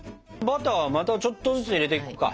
バターまたちょっとずつ入れていこうか。